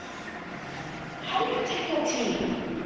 How do you take your tea?